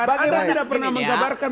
anda tidak pernah menggabarkan